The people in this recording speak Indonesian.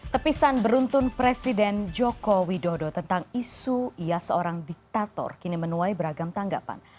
tepisan beruntun presiden joko widodo tentang isu ia seorang diktator kini menuai beragam tanggapan